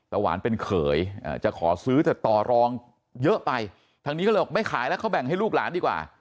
หวานเป็นเขยจะขอซื้อแต่ต่อรองเยอะไปทางนี้ก็เลยบอกไม่ขายแล้วเขาแบ่งให้ลูกหลานดีกว่า